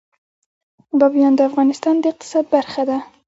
بامیان د افغانستان د اقتصاد برخه ده.